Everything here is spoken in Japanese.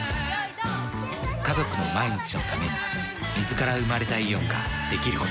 家族の毎日のために水から生まれたイオンができること。